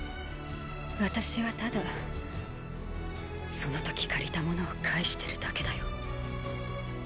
私はただその時借りたものを返してるだけだよ。